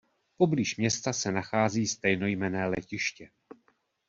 Poblíž města se nachází stejnojmenné letiště.